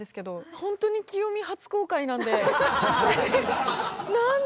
本当にキヨミ、初公開なんで。